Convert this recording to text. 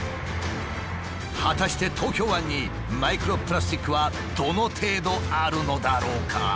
果たして東京湾にマイクロプラスチックはどの程度あるのだろうか？